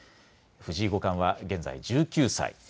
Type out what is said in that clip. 藤井五冠は現在１９歳。